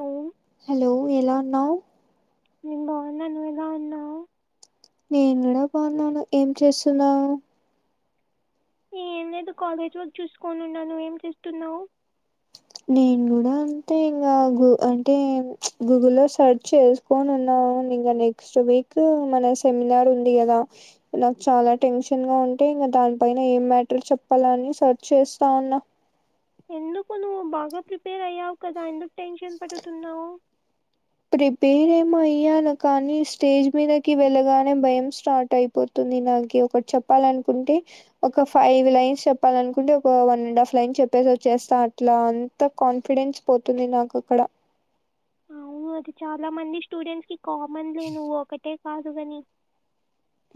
ఎవరు హలో ఎలా ఉన్నావ్ నేను బాగున్నా నువ్వు బాగా ఉన్నావా నేను కూడా బాగున్నాను ఏం చేస్తున్నావు ఏం లేదు కాలేజ్ వర్క్ చూసుకోని ఉన్నాను ఏం చేస్తున్నావు నేను కూడా అంతే ఇంగా ఆ అంటే గూగుల్లో సర్చ్ చేసు కొని ఉన్నా ఇంకా నెక్స్ట్ వీక్ మన సెమినార్ ఉంది కదా నాకు చాలా టెన్షన్ గా ఉంటే ఇంక దానిపైన ఏం మ్యాటర్ చెప్పాలని సెర్చ్ చేస్తాన్నా ఎందుకు నువ్వు బాగా ప్రిపేర్ అయ్యావు కదా ఎందుకు టెన్షన్ పడుతున్నావు ప్రిపేర్ ఏమో అయ్యాను కానీ స్టేజ్ మీదకి వెళ్ళగానే భయం స్టార్ట్ అయి పోతుంది నాకి ఒకటి చెప్పాలనుకుంటే ఒక ఫైవ్ లైన్స్ చెప్పాలనుకుంటే ఒక వన్ అండ్ హాఫ్ లైన్ చెప్పేసి వచ్చేస్తా అట్లా తో కాన్ఫిడెన్స్ పోతుంది నాకు కూడ అవును అది చాలా మంది స్టూడెంట్స్ కి కామన్ లే నువ్వు ఒకటే కాదు కాని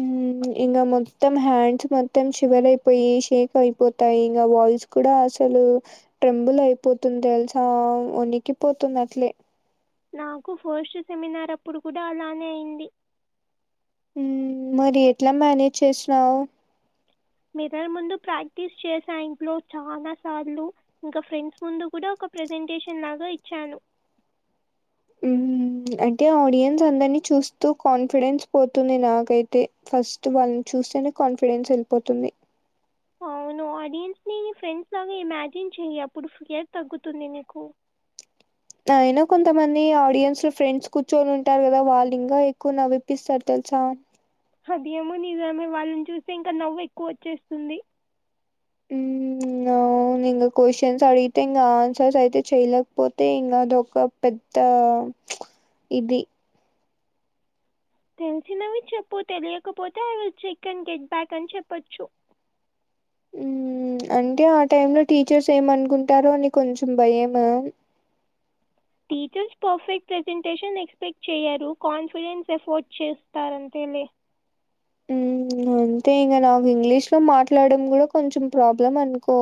ఉమ్, ఇంకా మొత్తం హ్యాండ్స్ మొత్తం షివర్ అయిపోయి షేక్ అయిపోతాయి ఇంకా వాయిస్ నాక్కూడా కూడా అసలు ట్రెంబుల్ అయిపోతుంది తెలుసా ఉనికిపోతున్నా అట్లే నాకు ఫస్ట్ సెమినార్ అప్పుడు కూడా అలానే అయింది మ్న మరి ఎట్లా మేనేజ్ చేసినావు మిర్రర్ ముందు ప్రాక్టీస్ చేసా ఇంట్లో చానా సార్లు ఇంకా ఫ్రెండ్స్ ముందు కూడా ఒక ప్రజెంటేషన్ లాగా ఇచ్చాను హ్మ్ అంటే ఆడియన్స్ అందరిని చూస్తూ కాన్ఫిడెన్స్ పోతుంది నాకైతే ఫస్ట్ వాళ్ళని చూస్తేనే కాన్ఫిడెన్స్ వెళ్ళిపోతుంది అవును ఆడియన్స్ ని ఫ్రెండ్స్ లాగా ఇమాజిన్ చెయ్ అప్పుడు స్పియర్ తగ్గుతుంది నీకు అయినా కొంతమంది ఆడియన్స్ లో ఫ్రెండ్స్ కూర్చొని ఉంటారు కదా వాళ్ళు ఇంకా ఎక్కువ నగపిస్తారు తెలుసా అదేమో నిజమే వాళ్ళని చూస్తే ఇంకా నవ్వు ఎక్కువ వచ్చేస్తుంది ఇంగా అవును ఇంకా క్వశ్చన్స్ అడిగితే ఇంకా ఆన్సర్స్ అయితే చెయలేకపోతే ఇంకా అదొక పెద్ద ఇది తెలిసినవి చెప్పు తెలియకపోతే ఆవిల్ చెక్ ఇన్ గెట్ బ్యాక్ అని చెప్పచ్చు మ్మ్ అంటే ఆ టైమ్ లో టీచర్స్ ఏమానుకుంటారో అని కొంచెం భయము టీచర్స్ పర్ఫెక్ట్ ప్రెజెంటేషన్ ఎక్స్పెక్ట్ చేయ్యరు కాన్ఫిడెన్స్ ఎఫోర్డ్ చేస్తారంతెలే మ్మ్ అంతే ఇంకా నాకు ఇంగ్లీష్ లో మాట్లాడడం కూడా కొంచెం ప్రాబ్లం అనుకో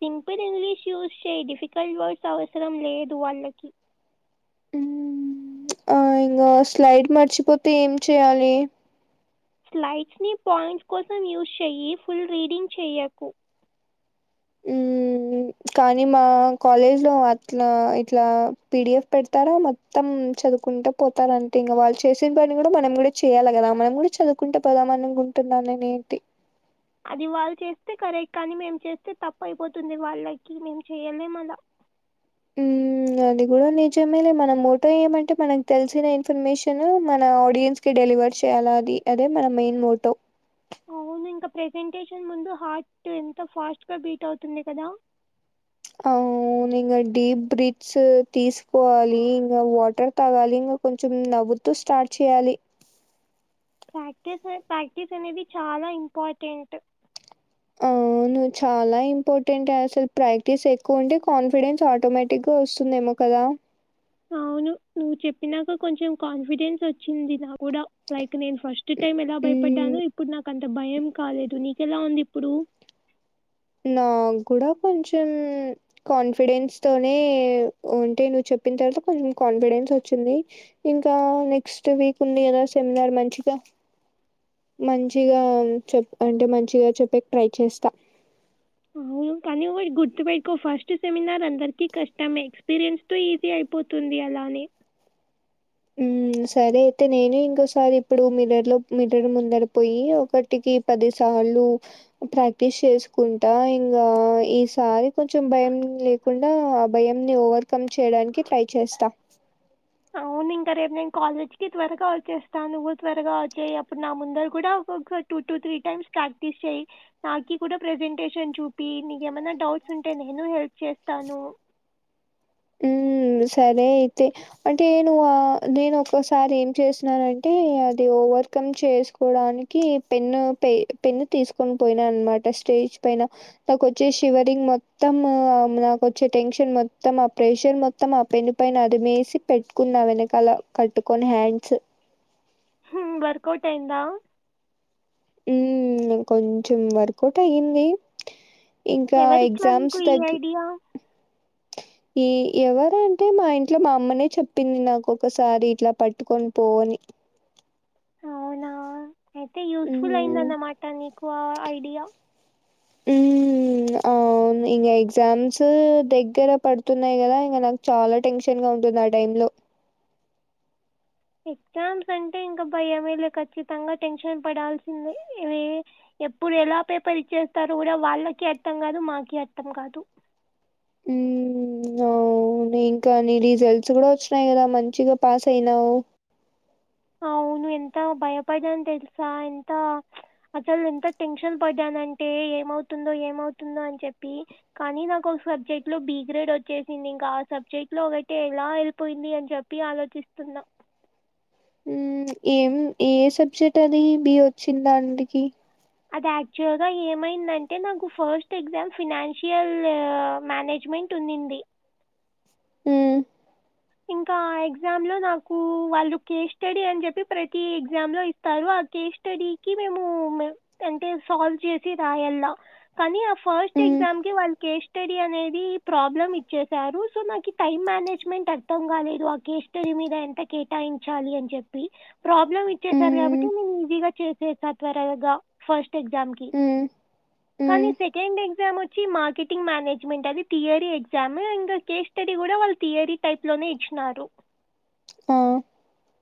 సింపుల్ ఇంగ్లీష్ యూజ్ చేయి డిఫికల్ట్ వర్డ్స్ అవసరం లేదు వాళ్ళకి ఆ ఇంకా స్లైడ్ మర్చిపోతే ఏం చేయాలి స్లైట్స్ని పాయింట్స్ కోసం యూస్ చెయ్యి ఫుల్ రీడింగ్ చేయకు మ్ కానీ మా కాలేజ్ లో అట్లా ఇట్లా పి డి ఎఫ్ పెడతారా మొత్తం చదువుకుంట పోతారంటే ఇంకా వాళ్ళు చేసే పని కూడా మనం కూడా చేయాలి కదా మనం కూడా చదువు కుంట పోదామ అనుకుంటున్నాను నేనేంటి అది వాళ్ళు చేస్తే కరెక్ట్ కానీ మేము చేస్తే తప్పయిపోతుంది వాళ్ళకి మేము చెయ్యలేమలా మ్ అది కూడా నిజమేలే మన మోటో ఏమంటే మనకు తెలిసిన ఇన్ఫర్మేషన్ మన ఆడియన్స్ ి డెలివర్ చేయాలా అది అదే మన మెయిన్ మోటవ్ అవును ఇంకా ప్రెజెంటేషన్ ముందు హార్ట్ ఎంత ఫాస్ట్ గా బీట్ అవుతుంది కదా అవును ఇంకా డీప్ బ్రీత్స్ తీసుకోవాలి ఇంకా వాటర్ తాగాలి ఇంకా కొంచెం నవ్వుతూ స్టార్ట్ చేయాలి ప్రాక్టీసెస్ ప్రాక్టీస్ అనేది చాలా ఇంపార్టెంట్ నువ్వు చాలా ఇంపార్టెంట్ అసలు ప్రాక్టీస్ ఎక్కువ ఉంటే కాన్ఫిడెన్స్ ఆటోమేటిక్ గా వస్తుందేమో కదా అవును నువ్వు చెప్పినాక కొంచెం కాన్ఫిడెన్స్ వచ్చింది నా కూడా లైక్ నేను ఫస్ట్ టైం ఎలా మ్మ్ భయపడ్డాను ఇప్పుడు నాకు అంత భయం కాలేదు నీకెలా ఉంది ఇప్పుడు నా కూడా కొంచెం కాన్ఫిడెన్స్ తోనే ఉంటే నువ్వు చెప్పిన తర్వాత కొంచెం కాన్ఫిడెన్స్ వచ్చింది ఇంకా నెక్స్ట్ వీక్ ఉంది గదా సెమినార్ మంచిగా మంచిగా చెప్ అంటే మంచిగా చెప్పేకి ట్రై చేస్తా మ్మ్ కానీ ఒకటి గుర్తు పెట్టుకో ఫస్ట్ సెమినార్ అందరికీ కష్టమే ఎక్స్పీరియన్స్ మస్తు ఈజీ అయిపోతుంది అలానే ఉమ్ సరే అయితే నేను ఇంకోసారి ఇప్పుడు మిర్రర్ లో మిర్రర్ ముందరుకుపోయి ఒకటికి పది సార్లు ప్రాక్టీస్ చేసుకుంటా ఇంగా ఈసారి కొంచెం భయం లే కుండా ఆ భయంని ఓవర్కమ్ చేయడానికి ట్రై చేస్తా అవును ఇంకా రేపు నేను కాలేజ్ కి త్వరగా వచ్చేస్తాను నువ్వు త్వరగా వచ్చేయి అప్పుడు నా ముందర కూడా ఒక two to three times practice చేయి నాకి కూడా ప్రెజెంటేషన్ చూప్ ఇ నీకేమైనా డౌట్స్ ఉంటే నేను హెల్ప్ చేస్తాను మ్మ్ సరే అయితే అంటే నువ్ నేను ఒక్కసారి ఏం చేసినానంటే అది ఓవర్కమ్ చేసుకు పోడానికి పెన్ను పే పెన్ను తీసుకొని పోయినా అనమాట స్టేజ్ పైన నాకు వచ్చే షివరింగ్ మొత్తం నాకోచ్చే టెన్షన్ మొత్తం ప్రెషర్ మొత్తం ఆ పెన్ను పైన అదిమేసి పెట్టుకున్న వెనకాల కట్టుకొని హ్యాండ్స్ హ్మ్ వర్కౌట్ అయిందా మ్మ్ కొంచెం వర్కౌట్ అయ్యింది ఇంకా ఎవరిచ్చారు మీకు ఎగ్జామ్స్ ఈ దగ్గ ఐడియా ఈ ఎవరు అంటే మా ఇంట్లో మా అమ్మనే చెప్పింది నాకు ఒకసారి ఇట్లా పట్టుకొని పో అని అవునా అయితే యూస్ ఫుల్ హ్మ్ అయిందన్నమాట నీకు ఆ ఐడియా మ్మ్ ఆ ఇంగా ఎగ్జామ్స్ దగ్గర పడుతున్నాయి గదా ఇంగ నాకు చాలా టెన్షన్ గా ఉంటుంది ఆ టైమ్ లో ఎగ్జామ్స్ అంటే ఇంకా భయమేలే ఖచ్చితంగా టెన్షన్ పడాల్సిందే ఇవి ఎప్పుడు ఎలా పేపర్ ఇచ్చేస్తారు గుడా వాళ్ళకి అర్థం గాదు మాకి అర్థం కాదు హ్మ్ అవును ఇంకా నీ రిజల్ట్స్ కూడా వచ్చినయి కదా మంచిగా పాస్ అయినావు అవును ఎంత భయపడ్డాను తెలుసా ఎంత అసలు ఎంత టెన్షన్ పడ్డానంటే ఏమవుతుందో ఏమవుతుందో అని చెప్పి కానీ నాకు ఒక సబ్జెక్ట్ లో బి గ్రేడ్ వచ్చేసింది ఇంకా ఆ సబ్జెక్ట్ లో ఒకటి ఎలా యెళిపోయింది అని చెప్ ప్పి ఆలోచిస్తున్నా హ్మ్ ఏం ఏ సబ్జెక్ట్ అది బి వచ్చింది దాంటికి అది యాక్చువల్గా ఏమైందంటే నాకు ఫస్ట్ ఎగ్జామ్ ఫినాన్షియల్ మానేజ్మెంట్ టున్నింది హ్మ్ ఇంకా ఎగ్జామ్లో నాకు వాళ్ళు కేస్ స్టడీ అని చెప్పి ప్రతి ఎగ్జామ్లో ఇస్తారు ఆ కేస్ స్టడీకి మేము అంటే సాల్వ్ చేసి రాయలా కానీ ఫస్ట్ హ్మ్ ఎగ్జామ్ కి వాళ్ళు కేస్ స్టడీ అనేది ప్రాబ్లమ్ ఇచ్చేసారు సో నాకీ టైం మానేజ్మెంట్ అ ర్థం కాలేదు ఆ కేస్ స్టడీ మీద ఎంత కేటాయించాలి అని చెప్పి ప్రాబ్లమ్ ఇచ్చేసారు కాబట్టి హ్మ్ నేను ఈజీగా చేసేసా త్వరగా ఫస్ట్ ఎగ్జామ్ కి హ్మ్ కానీ హ్మ్ సెకండ్ ఎగ్జామ్ ఒ చ్చి మార్కెటింగ్ మానేజ్మెంట్ అది థియరీ ఎక్సామ్ ఇంకా కేస్ స్టడీ కూడా వాళ్ళు థియరీ టైప్ లోనే ఇచ్చినారు ఆ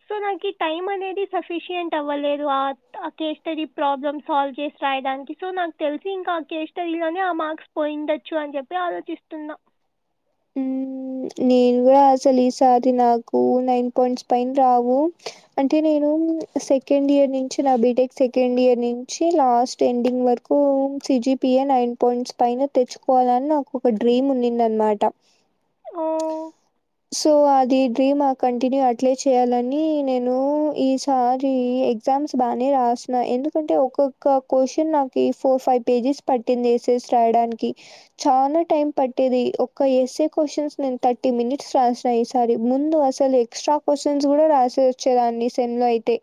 సో నాకు ఈ టైం అనేది సఫిషియంట్ అవ్వలేదు ఆ కేస్ స్టడీ ప్రాబ్లమ్ సాల్వ్ చేసి రాయడానికి సో నాకు తెలిసి ఇంకా ఆ కేస్ స్టడీ లోనే ఆ మార్క్స్ పోయుండొచ్చు అని చెప్పి ఆలోచిస్తున్నా మ్మ్ నేను కూడా అస్సలు ఈ సారి నాకు నైన్ పాయింట్స్ పైన్ రావు అంటే నేను సెకండ్ ఇయర్ నుంచి నా బీటెక్ సెకండ్ ఇయర్ నుంచి last ending work CGPA nine points పైన తెచ్చుకోవాలని నాకు ఒక డ్రీమ్ ఉన్నింది అనమాట ఆ సో అది డ్రీమ్ ఆ కంటిన్యూ అట్లే చేయాలని నేను ఈసారి ఎగ్జామ్స్ బానే రాసిన్నా ఎందుకంటే ఒక్కొక్క క్వశ్చన్ నాకు ఈ ఫోర్ ఫైవ్ పేజెస్ పట్టింది ఎస్సేస్ రాయడానికి చానా టైం పట్టేది ఒక ఎసే క్వశ్చన్స్ నేను థర్టీ మినిట్స్ రాసిన ఈ సారి ముందు అసలు ఎక్స్ట్రా క్వశ్చన్స్ కూడా రాసే వచ్చే దాన్ని సెమ్ లో అయితే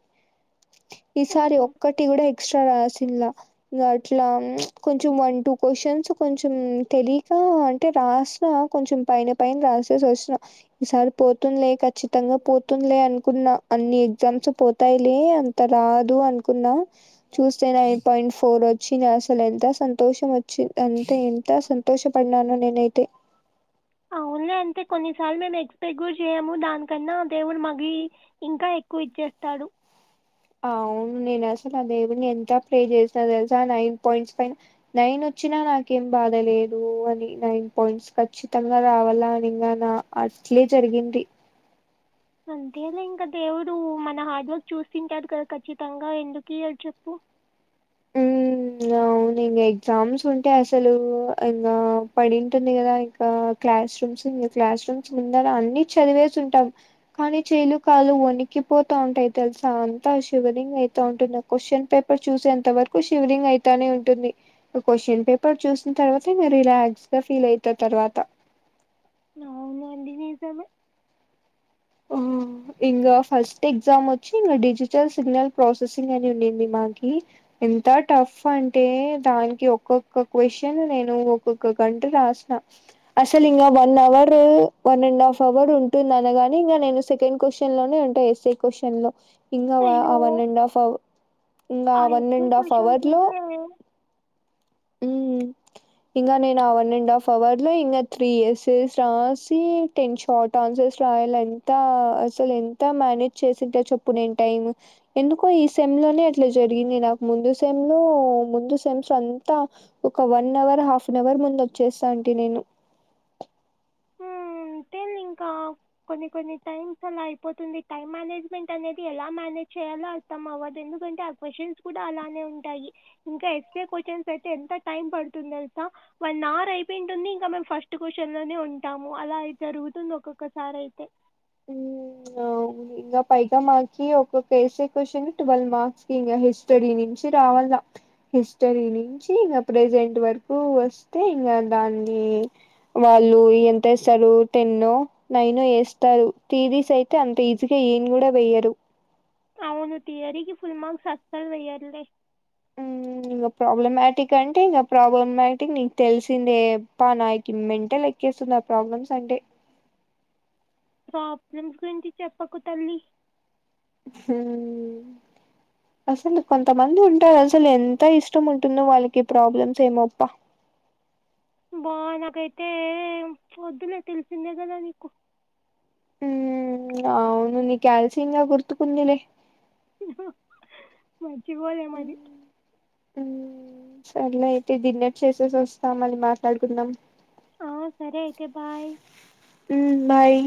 ఓ. ఈసారి ఒక్కటి కూడా ఎక్స్ట్రా రాసిలా ఇగ అట్లా కొంచెం వన్ టూ క్వశ్చన్స్ కొంచెం తెలీకా అంటే రాసిన కొంచెం పైన పైన రాసేసి వచ్చినా ఈసారి పోతుందిలే ఖచ్చితంగా పోతుందిలే అనుకున్నా అన్ని ఎగ్జామ్స్ పోతాయిలే అంత రాదు అనుకున్నా చూస్తే నైన్ పాయింట్ ఫోర్ వచ్చింది అసలు ఎంత సంతోషం వచ్చి అంతే ఎంత అసలు సంతోషపడ్నానో నేనైతే అవునులే అంటే కొన్నిసార్లు మేం ఎక్సెప్ట్ కూడా చేయము దానికన్నా దేవుడు మగి ఇంకా ఎక్కువ ఇచ్చేస్తాడు అవును నేను అసలు అ దేవుని ఎంత ప్రే చేసా తెలుసా నైన్ పాయింట్స్ పైన నైన్ వచ్చినా నాకేం బాధ లేదు అని నైన్ పాయింట్స్ ఖచ్చితంగా రావాలా అని ఇంగ నా అట్లే జరిగింది అంతేలే ఇంక దేవుడు మన హార్డ్ వర్క్ చూస్తుంటాడు కదా ఖచ్చితంగా ఎందుకు ఇయ్యడు చెప్పు ఇంగ అవును ఇంగ ఎగ్జామ్స్ ఉంటే అసలు ఇంగ పడింటుంది కదా ఇంకా క్లాస్ రూమ్స్ క్లాస్ రూమ్స్ ముందలా అన్ని చదివేసి ఉంటాం కానీ చెయిలు కాలు వనికిపోతా ఉంటాయి తెలుసా అంతా శివరింగ్ అయితా ఉంటుంది క్వశ్చన్ పేపర్ చూసేంత వరకు షివరింగ్ అయితానే ఉంటుంది క్వశ్చన్ పేపర్ చూసిన తర్వాతే నే రిలాక్స్ గా ఫీల్ అయిత తర్వాత అవునండి నిజమే ఇంగ ఫస్ట్ ఎగ్జామ్ వచ్చి డిజిటల్ సిగ్నల్ ప్రాసెసింగ్ అని ఉండింది మాకి ఎంత టఫ్ అంటే దానికి ఒక్కొక్క క్వశ్చన్ నేను ఒక్కొక్క గంట రాసిన అసలు ఇంగ one hour one and half hour ఉంటుంది అనగా ఇంగ నేను సెకండ్ క్వశ్చన్లోనే ఉంటా ఎస్సే క్వశ్చన్లో ఇంగ వా ఆ అయ్యో వన్ అండ్ హఫ్ అవ ఇంగ ఆ వన్ ఎక్కువ అండ్ హాఫ్ క్వశ్చన్స్ అవర్లో ఉంటే ఇంగ నేను ఆ వన్ అండ్ హాఫ్ అవర్ లో ఇంకా త్రీ ఎస్సేస్ రాసి టెన్ షార్ట్ ఆన్సర్స్ రాయాలం ఎంత అసలు ఎంత మేనేజ్ చేసింట చెప్పు నేను టైం ఎందుకో ఈ సెమ్ లోనే అట్లా జరిగింది నాకు ముందు సెమ్ లో ముందు సెమ్స్ అంతా ఒక one hour half an hour ముందు వచ్చేస్తంటి నేను ఇంకేందింక కొన్ని కొన్ని టైమ్స్ అలా అయిపోతుంది టైమ్ మేనేజ్మెంట్ అనేది ఎలా మేనేజ్ చేయాలో మొత్తం అవ్వద్దు ఎందుకంటే ఆ క్వచ్చన్స్ కూడా అలానే ఉంటాయి ఇంకా ఎస్సే క్వచన్స్ అయితే ఎంత టైం పడుతుంది తెలుసా వన్ అవర్ అయిపోయింటుంది ఇంకా మేము ఫస్ట్ క్వచ్చన్లోనే ఉంటాము అలా జరుగుతుంది ఒక్కొక్కసారయితే ఉమ్ ఇంగ పైగా మాకి ఒక్కొక్క ఎస్సే క్వశ్చన్ ట్వెల్వ్ మార్క్స్ కి ఇంగ హిస్టరీ నుంచి రావాలా హిస్టరీ నుంచి ఇంగ ప్రెజెంట్ వరకు వస్తే ఇంగ దాన్ని వాళ్ళు ఎంత ఇస్తరు టెన్నో నైనో ఏస్ స్తరు థియరీస్ అయితే అంత ఈజీగా ఏయన్ కూడా వేయ్యరు అవును తియరికి ఫుల్ మార్క్స్ అస్సలు వెయ్యర్లే ఇంక ప్రాబ్లమాటిక్ అంటే ఇంగ ప్రాబ్లమాటిక్ నీకు తెలిసిందే అబ్బ నాకి మెంటల్ ఏ కేస్తున్న ప్రాబ్లమ్స్ అంటే ప్రాబ్లమ్స్ గురించి చెప్పకు తల్లి హ్మ్ అసలు కొంతమంది ఉంటారు అసలు ఎంత ఇష్టం ఉంటుందో వాళ్ళకి ప్రాబ్లమ్స్ ఏమోప్ప బా నాకైతే వద్దులే తెలిసిందే కదా నీకు ఉమ్ అవును నీకాల్సయంగా గుర్తుకుందిలే మర్చిపోలేం అది సరలే అయితే డిన్నర్ చేసేసి వస్తా మళీ మాట్లాడుకుందాం ఆ సరే అయితే బాయ్ ఉమ్ బాయ్